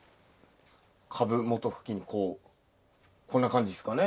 株元付近にこうこんな感じっすかね。